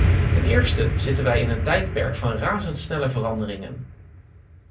Ten eerste zitten wij in een tijdperk van razendsnelle veranderingen.